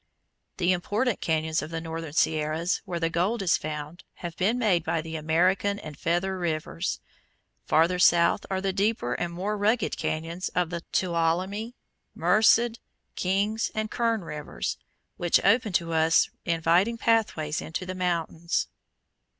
The important cañons of the northern Sierras, where the gold is found, have been made by the American and Feather rivers. Farther south are the deeper and more rugged cañons of the Tuolumne, Merced, King's, and Kern rivers, which open to us inviting pathways into the mountains.